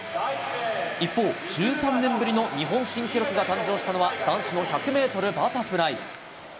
一方、１３年ぶりの日本新記録が誕生したのは男子の１００ｍバタフライ。